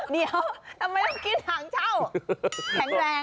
เดี๋ยวทำไมต้องกินหางเช่าแข็งแรง